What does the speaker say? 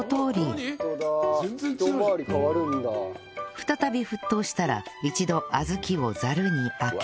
再び沸騰したら一度小豆をざるにあけ